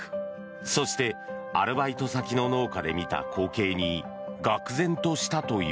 そしてアルバイト先の農家で見た光景にがくぜんとしたという。